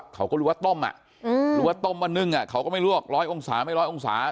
เขาก็รู้ว่าต้มอ่ะรู้ว่าต้มว่านึ่งเขาก็ไม่รู้ว่า๑๐๐องศาไม่๑๐๐องศา